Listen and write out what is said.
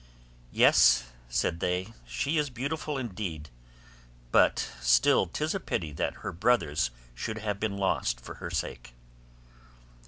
'Yes,' said they, 'she is beautiful indeed, but still 'tis a pity that her brothers should have been lost for her sake.